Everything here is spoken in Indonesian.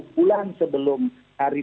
dua puluh bulan sebelum hari